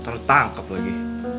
ntar ditangkap lagi